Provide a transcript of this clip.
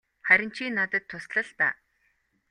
Харин чи надад тусал л даа.